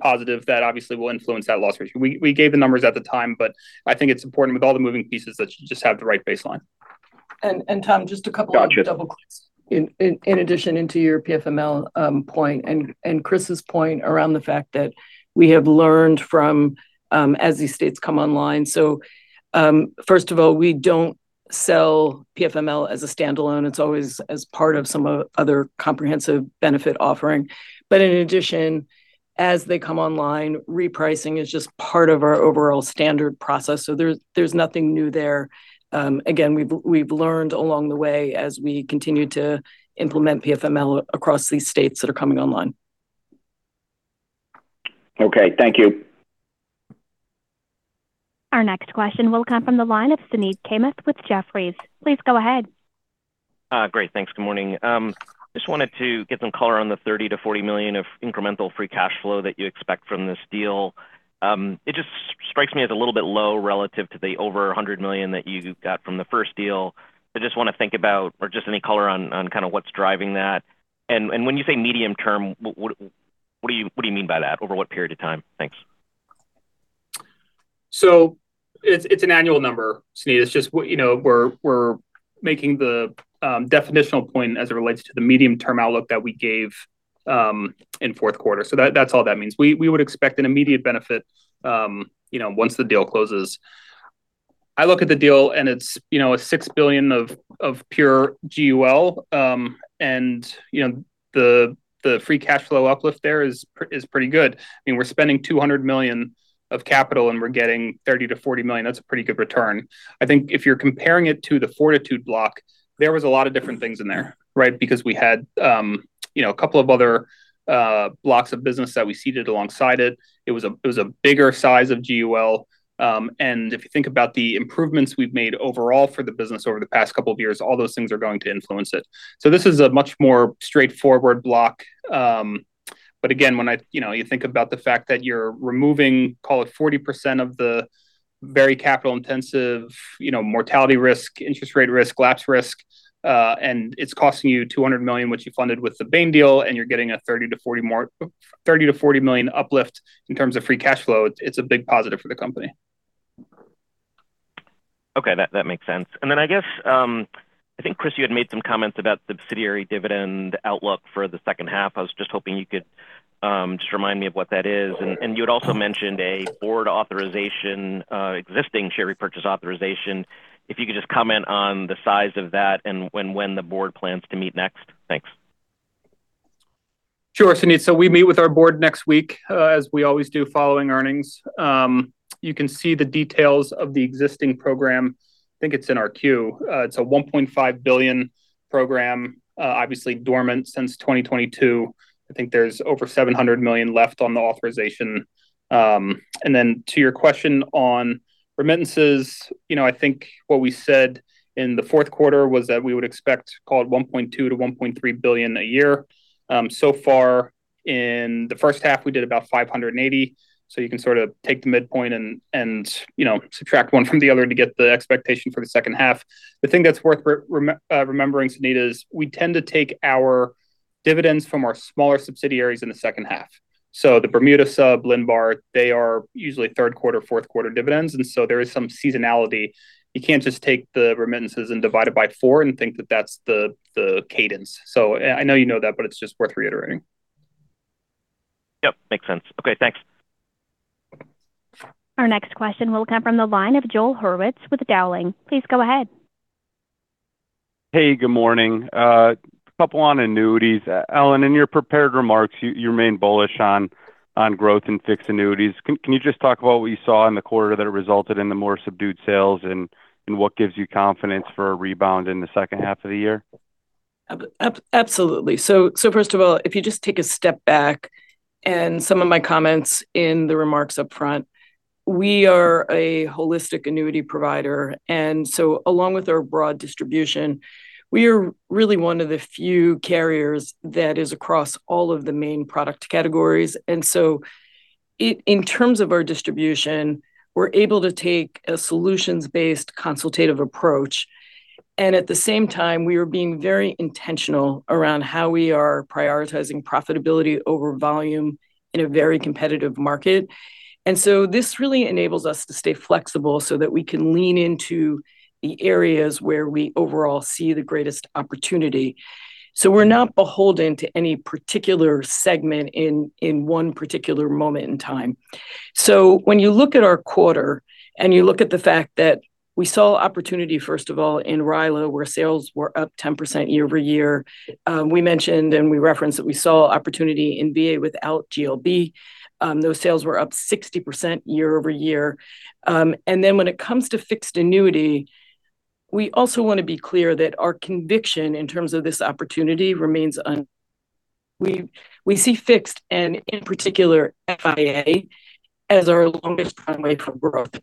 positive that obviously will influence that loss ratio. We gave the numbers at the time, I think it's important with all the moving pieces that you just have the right baseline. Tom, just a couple— Got you. —of double clicks. In addition into your PFML point and Chris's point around the fact that we have learned, as these states come online. First of all, we don't sell PFML as a standalone. It's always as part of some other comprehensive benefit offering. In addition, as they come online, repricing is just part of our overall standard process. There's nothing new there. Again, we've learned along the way as we continue to implement PFML across these states that are coming online. Okay. Thank you. Our next question will come from the line of Suneet Kamath with Jefferies. Please go ahead. Great. Thanks. Good morning. Just wanted to get some color on the $30 million-$40 million of incremental free cash flow that you expect from this deal. It just strikes me as a little bit low relative to the over $100 million that you got from the first deal. Just want to think about, or just any color on kind of what's driving that. And when you say medium term, what do you mean by that? Over what period of time? Thanks. It's an annual number, Suneet. It's just we're making the definitional point as it relates to the medium-term outlook that we gave in fourth quarter. That's all that means. We would expect an immediate benefit once the deal closes. I look at the deal and it's a $6 billion of pure GUL, and the free cash flow uplift there is pretty good. We're spending $200 million of capital and we're getting $30 million-$40 million. That's a pretty good return. I think if you're comparing it to the Fortitude block, there was a lot of different things in there, right? Because we had a couple of other blocks of business that we ceded alongside it. It was a bigger size of GUL. If you think about the improvements we've made overall for the business over the past couple of years, all those things are going to influence it. This is a much more straightforward block. Again, when you think about the fact that you're removing, call it 40% of the very capital intensive mortality risk, interest rate risk, lapse risk, and it's costing you $200 million, which you funded with the Bain deal, and you're getting a $30 million-$40 million uplift in terms of free cash flow, it's a big positive for the company. Okay. That makes sense. I guess, I think, Chris, you had made some comments about subsidiary dividend outlook for the second half. I was just hoping you could just remind me of what that is. You had also mentioned a Board authorization, existing share repurchase authorization. If you could just comment on the size of that and when the Board plans to meet next? Thanks. Sure, Suneet. We meet with our Board next week, as we always do following earnings. You can see the details of the existing program, I think it's in our queue. It's a $1.5 billion program, obviously dormant since 2022. I think there's over $700 million left on the authorization. To your question on remittances, I think what we said in the fourth quarter was that we would expect, call it $1.2 billion-$1.3 billion a year. So far in the first half, we did about $580 million. You can sort of take the midpoint and subtract one from the other to get the expectation for the second half. The thing that's worth remembering, Suneet, is we tend to take our dividends from our smaller subsidiaries in the second half. The Bermuda subsidiary, LINBAR, they are usually third quarter, fourth quarter dividends, there is some seasonality. You can't just take the remittances and divide it by four and think that that's the cadence. I know you know that, but it's just worth reiterating. Yep, makes sense. Okay, thanks. Our next question will come from the line of Joel Hurwitz with Dowling. Please go ahead. Hey, good morning. A couple on annuities. Ellen, in your prepared remarks, you remain bullish on growth in fixed annuities. Can you just talk about what you saw in the quarter that resulted in the more subdued sales, and what gives you confidence for a rebound in the second half of the year? Absolutely. First of all, if you just take a step back and some of my comments in the remarks up front, we are a holistic annuity provider, and so along with our broad distribution, we are really one of the few carriers that is across all of the main product categories. In terms of our distribution, we're able to take a solutions-based consultative approach, and at the same time, we are being very intentional around how we are prioritizing profitability over volume in a very competitive market. This really enables us to stay flexible so that we can lean into the areas where we overall see the greatest opportunity. We're not beholden to any particular segment in one particular moment in time. When you look at our quarter and you look at the fact that we saw opportunity, first of all, in RILA, where sales were up 10% year-over-year. We mentioned and we referenced that we saw opportunity in VA without GLB. Those sales were up 60% year-over-year. When it comes to fixed annuity, we also want to be clear that our conviction in terms of this opportunity remains. We see fixed and in particular FIA as our longest runway for growth.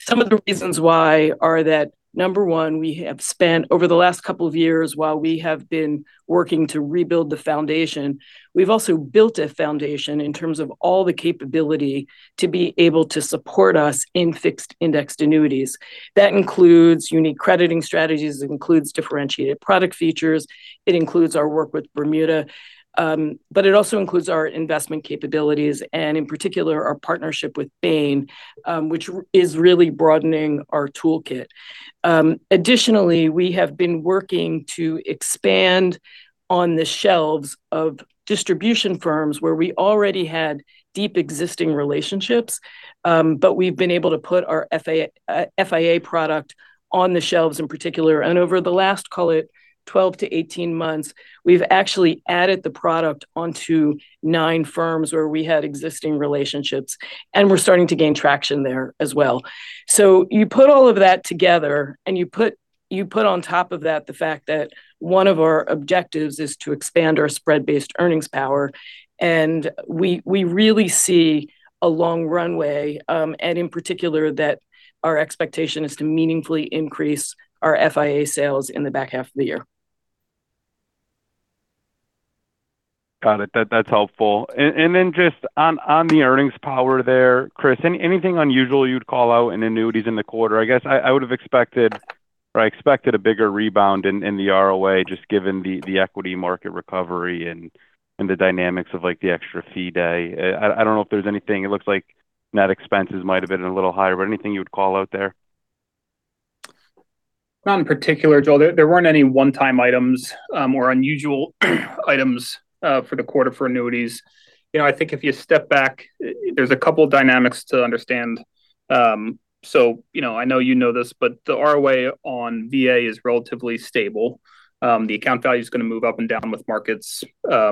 Some of the reasons why are that, number one, we have spent over the last couple of years while we have been working to rebuild the foundation, we've also built a foundation in terms of all the capability to be able to support us in fixed indexed annuities. That includes unique crediting strategies, it includes differentiated product features, it includes our work with Bermuda. It also includes our investment capabilities and in particular our partnership with Bain, which is really broadening our toolkit. Additionally, we have been working to expand on the shelves of distribution firms where we already had deep existing relationships, but we've been able to put our FIA product on the shelves in particular. Over the last, call it 12 months-18 months, we've actually added the product onto 9 firms where we had existing relationships, and we're starting to gain traction there as well. You put all of that together and you put on top of that the fact that one of our objectives is to expand our spread-based earnings power. We really see a long runway. In particular that our expectation is to meaningfully increase our FIA sales in the back half of the year. Got it. That's helpful. Just on the earnings power there, Chris, anything unusual you'd call out in annuities in the quarter? I guess I expected a bigger rebound in the ROA, just given the equity market recovery and the dynamics of the extra fee day. I don't know if there's anything. It looks like net expenses might have been a little higher. Anything you'd call out there? Not in particular, Joel. There weren't any one-time items or unusual items for the quarter for annuities. I think if you step back, there's a couple of dynamics to understand. I know you know this, but the ROA on VA is relatively stable. The account value's going to move up and down with markets. We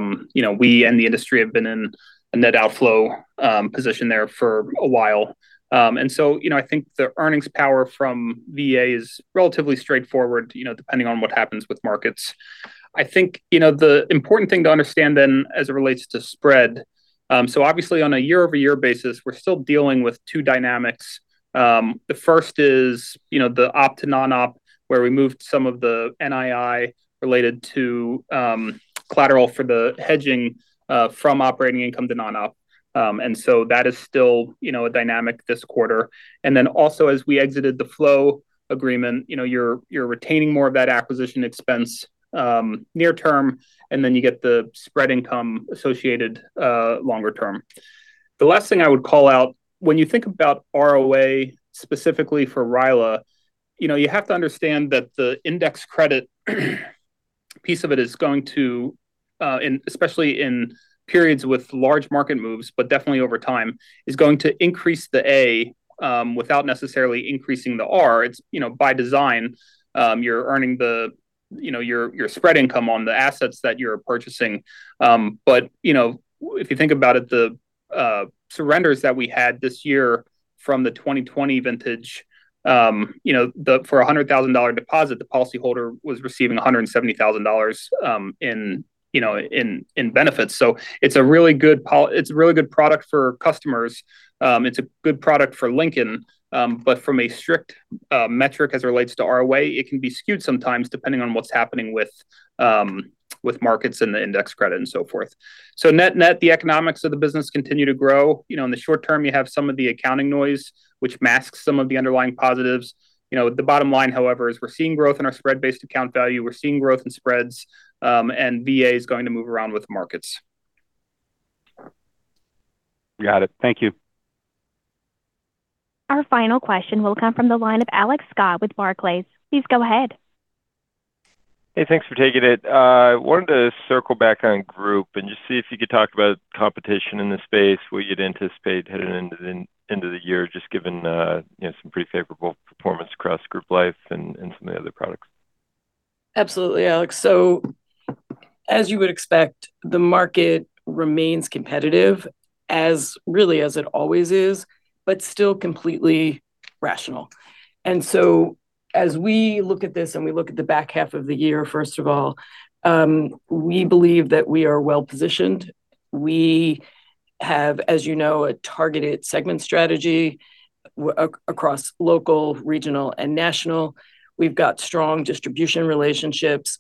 and the industry have been in a net outflow position there for a while. I think the earnings power from VA is relatively straightforward, depending on what happens with markets. I think the important thing to understand then as it relates to spread. Obviously on a year-over-year basis, we're still dealing with two dynamics. The first is the op to non-op, where we moved some of the NII related to collateral for the hedging from operating income to non-op. That is still a dynamic this quarter. Also as we exited the flow agreement, you're retaining more of that acquisition expense near term, you get the spread income associated longer term. The last thing I would call out, when you think about ROA specifically for RILA, you have to understand that the index credit piece of it, especially in periods with large market moves, but definitely over time, is going to increase the A without necessarily increasing the R. It's by design. You're earning your spread income on the assets that you're purchasing. If you think about it, the surrenders that we had this year from the 2020 vintage, for a $100,000 deposit, the policyholder was receiving $170,000 in benefits. It's a really good product for customers. It's a good product for Lincoln. From a strict metric as it relates to ROA, it can be skewed sometimes depending on what's happening with markets and the index credit and so forth. Net-net, the economics of the business continue to grow. In the short term, you have some of the accounting noise, which masks some of the underlying positives. The bottom line, however, is we're seeing growth in our spread-based account value, we're seeing growth in spreads, and VA is going to move around with markets. Got it. Thank you. Our final question will come from the line of Alex Scott with Barclays. Please go ahead. Hey, thanks for taking it. Wanted to circle back on Group and just see if you could talk about competition in this space, what you'd anticipate heading into the end of the year, just given some pretty favorable performance across Group Life and some of the other products. Absolutely, Alex. As you would expect, the market remains competitive, really as it always is, but still completely rational. As we look at this and we look at the back half of the year, first of all, we believe that we are well-positioned. We have, as you know, a targeted segment strategy across local, regional, and national. We've got strong distribution relationships.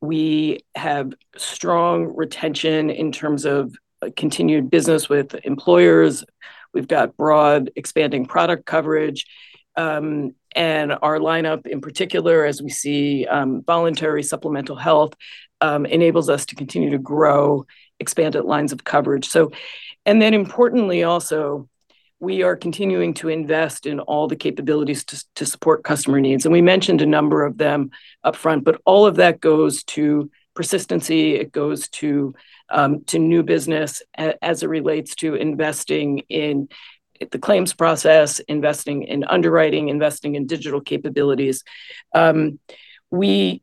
We have strong retention in terms of continued business with employers. We've got broad expanding product coverage. Our lineup in particular, as we see voluntary supplemental health enables us to continue to grow expanded lines of coverage. Importantly also, we are continuing to invest in all the capabilities to support customer needs. We mentioned a number of them upfront, but all of that goes to persistency, it goes to new business as it relates to investing in the claims process, investing in underwriting, investing in digital capabilities. We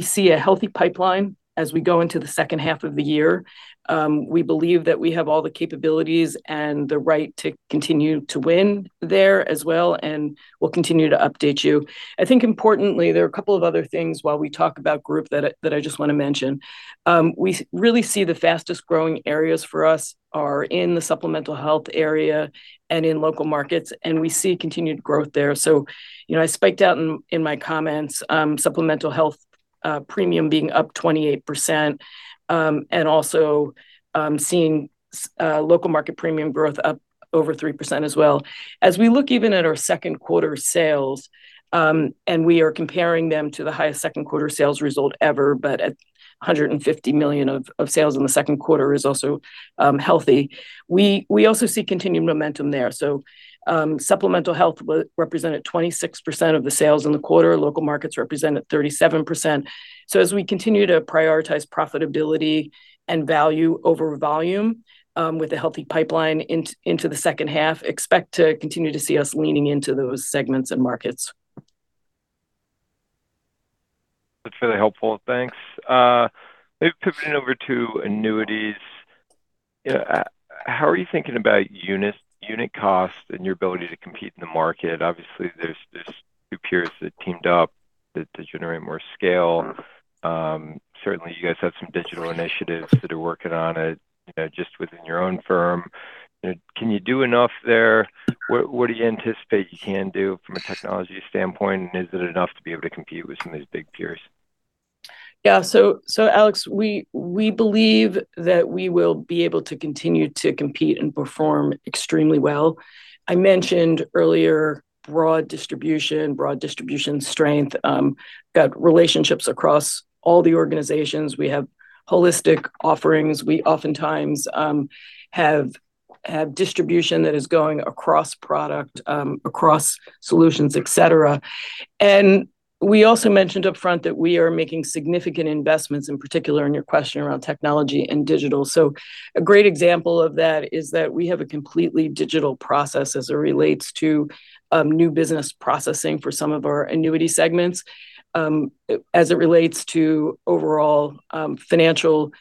see a healthy pipeline as we go into the second half of the year. We believe that we have all the capabilities and the right to continue to win there as well, and we'll continue to update you. I think importantly, there are a couple of other things while we talk about Group that I just want to mention. We really see the fastest growing areas for us are in the supplemental health area and in local markets, and we see continued growth there. I spiked out in my comments, supplemental health premium being up 28%, and also seeing local market premium growth up over 3% as well. As we look even at our second quarter sales, we are comparing them to the highest second quarter sales result ever, at $150 million of sales in the second quarter is also healthy. We also see continued momentum there. Supplemental health represented 26% of the sales in the quarter. Local markets represented 37%. As we continue to prioritize profitability and value over volume with a healthy pipeline into the second half, expect to continue to see us leaning into those segments and markets. That's really helpful. Thanks. Maybe pivoting over to annuities. How are you thinking about unit cost and your ability to compete in the market? Obviously, there's two peers that teamed up to generate more scale. Certainly, you guys have some digital initiatives that are working on it just within your own firm. Can you do enough there? What do you anticipate you can do from a technology standpoint, and is it enough to be able to compete with some of these big peers? Yeah. Alex, we believe that we will be able to continue to compete and perform extremely well. I mentioned earlier broad distribution strength, got relationships across all the organizations. We have holistic offerings. We oftentimes have distribution that is going across product, across solutions, et cetera. We also mentioned upfront that we are making significant investments, in particular in your question around technology and digital. A great example of that is that we have a completely digital process as it relates to new business processing for some of our annuity segments. As it relates to overall financial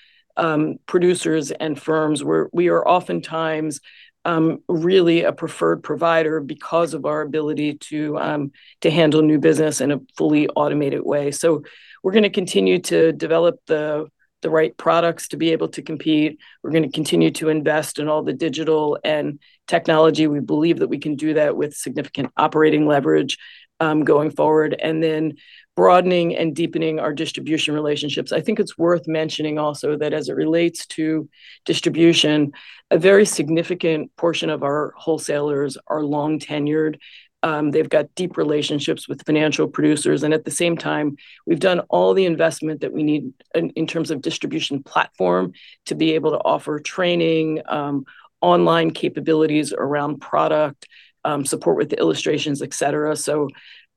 producers and firms, we are oftentimes really a preferred provider because of our ability to handle new business in a fully automated way. We're going to continue to develop the right products to be able to compete. We're going to continue to invest in all the digital and technology. We believe that we can do that with significant operating leverage going forward. Then broadening and deepening our distribution relationships. I think it's worth mentioning also that as it relates to distribution, a very significant portion of our wholesalers are long-tenured. They've got deep relationships with financial producers, and at the same time, we've done all the investment that we need in terms of distribution platform to be able to offer training, online capabilities around product, support with the illustrations, et cetera.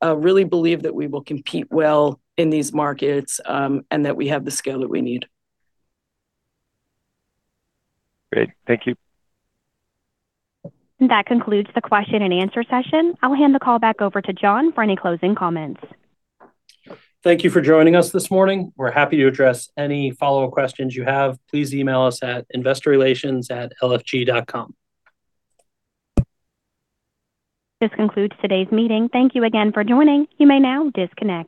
Really believe that we will compete well in these markets, and that we have the scale that we need. Great. Thank you. That concludes the question and answer session. I'll hand the call back over to John for any closing comments. Thank you for joining us this morning. We're happy to address any follow-up questions you have. Please email us at investorrelations@lfg.com. This concludes today's meeting. Thank you again for joining. You may now disconnect.